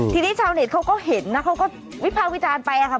ทีนี้ชาวเน็ตเขาก็เห็นนะเขาก็วิพากษ์วิจารณ์ไปค่ะ